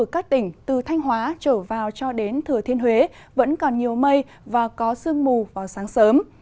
các tỉnh từ thanh hóa trở vào cho đến thừa thiên huế vẫn còn nhiều mây và có sương mù vào sáng sớm